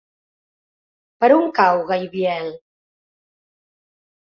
Per on cau Gaibiel?